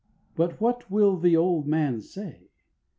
9. But what will the old man say?